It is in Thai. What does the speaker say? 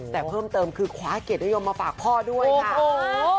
แต่เพิ่มเติมคือคว้าเกียรตินิยมมาฝากพ่อด้วยค่ะ